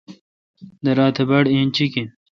درا تہ باڑ اینچیک این۔